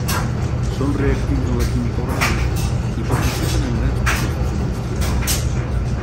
Són reactius en la química orgànica i participen en grans processos industrials.